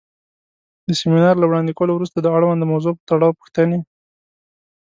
د سمینار له وړاندې کولو وروسته د اړونده موضوع پۀ تړاؤ پوښتنې